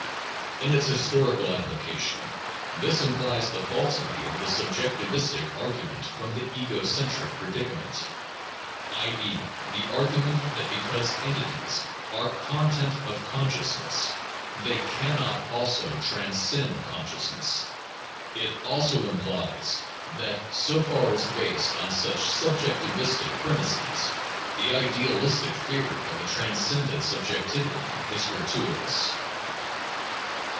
In its historical application, this implies the falsity of the sub jectivistic argument from the ego centric predicament, i. e., the argu ment that because entities are content of consciousness they can not also transcend consciousness ; it also implies that, so far as based on such subjectivistic premises, the idealistic theory of a transcendent subjectivity is gratuitous.